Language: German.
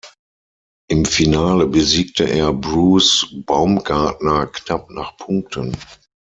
Im Finale besiegte er Bruce Baumgartner knapp nach Punkten.